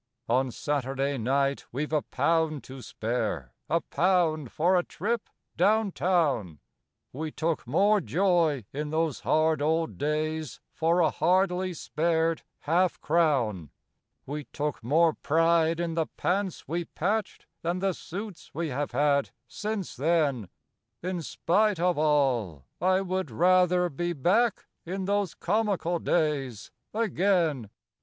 On Saturday night we've a pound to spare a pound for a trip down town We took more joy in those hard old days for a hardly spared half crown; We took more pride in the pants we patched than the suits we have had since then In spite of all, I would rather be back in those comical days again.